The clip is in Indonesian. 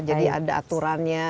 jadi ada aturannya